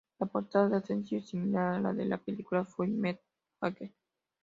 La portada del sencillo es similar a la de la película Full Metal Jacket.